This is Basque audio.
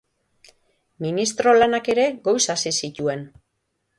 Ministro lanak ere, goiz hasi zituen.